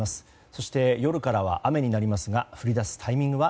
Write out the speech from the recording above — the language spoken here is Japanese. そして、夜からは雨になりますが降り出すタイミングは？